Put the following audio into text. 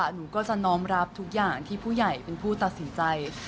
หนูก็จะน้อมรับทุกอย่างที่ผู้ใหญ่เป็นผู้ตัดสินใจ